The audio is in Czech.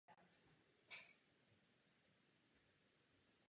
Se skupinou též spolupracovali Steve Hackett a Ben Castle.